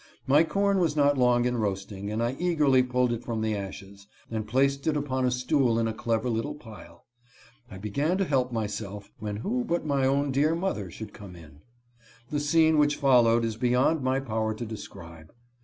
My corn was not long in roast ing, and I eagerly pulled it from the ashes, and placed it upon a stool in a clever little pile. I began to help my self, when who but my own dear mother should come in. The scene which followed is beyond my power to describe.